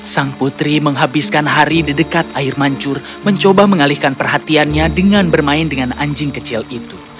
sang putri menghabiskan hari di dekat air mancur mencoba mengalihkan perhatiannya dengan bermain dengan anjing kecil itu